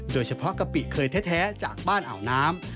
โดยเฉพาะกะปิเคยแท้จากบ้านอ่าวน้ำ